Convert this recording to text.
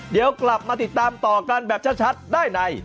เดี๋ยวกลับมาติดตามต่อกันแบบชัดได้ใน